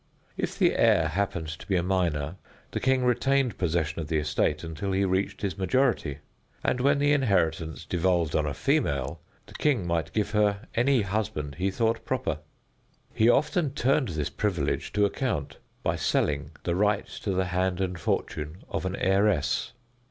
If the heir happened to be a minor, the king retained possession of the estate until he reached his majority; and when the inheritance devolved on a female, the king might give her any husband he thought proper. He often turned this privilege to account by selling the right to the hand and fortune of an heiress.